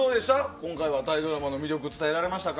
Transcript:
今回はタイドラマの魅力を伝えられましたか？